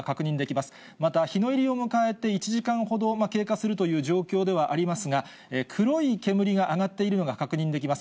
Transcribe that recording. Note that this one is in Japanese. また日の入りを迎えて１時間ほど経過するという状況ではありますが、黒い煙が上がっているのが確認できます。